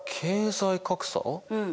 うん。